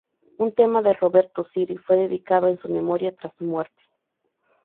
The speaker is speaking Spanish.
Un tema de Roberto Siri fue dedicado en su memoria tras su muerte.